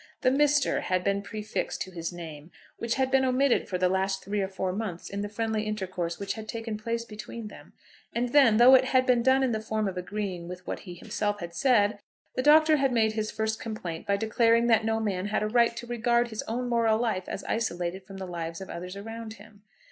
The "Mister" had been prefixed to his name, which had been omitted for the last three or four months in the friendly intercourse which had taken place between them; and then, though it had been done in the form of agreeing with what he himself had said, the Doctor had made his first complaint by declaring that no man had a right to regard his own moral life as isolated from the lives of others around him.